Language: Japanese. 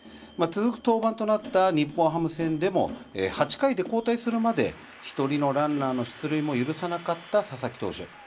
続く登板となった日本ハム戦でも８回で交代するまで１人のランナーの出塁も許さなかった佐々木投手。